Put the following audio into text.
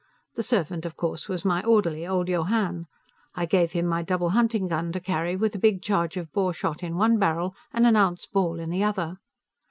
The servant, of course, was my orderly, old Johann; I gave him my double hunting gun to carry, with a big charge of boar shot in one barrel and an ounce ball in the other.